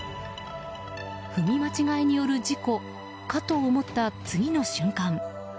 踏み間違いによる事故かと思った次の瞬間